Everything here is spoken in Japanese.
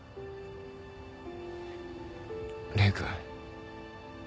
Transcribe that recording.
礼くん。